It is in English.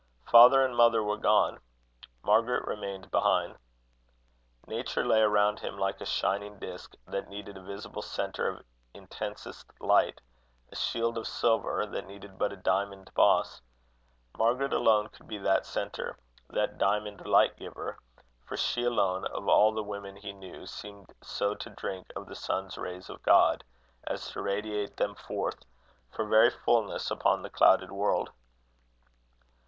Father and mother were gone. Margaret remained behind. Nature lay around him like a shining disk, that needed a visible centre of intensest light a shield of silver, that needed but a diamond boss: Margaret alone could be that centre that diamond light giver; for she alone, of all the women he knew, seemed so to drink of the sun rays of God, as to radiate them forth, for very fulness, upon the clouded world.